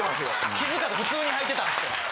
気づかず普通にはいてたんですよ。